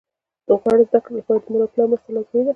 د غوره زده کړې لپاره د مور او پلار مرسته لازمي ده